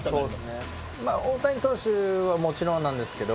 まあ大谷投手はもちろんなんですけど。